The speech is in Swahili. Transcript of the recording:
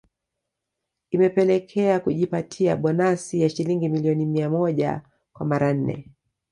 Imepelekea kujipatia bonasi ya shilingi milioni mia moja kwa mara nne